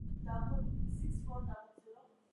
Both branched and linear isomers exist.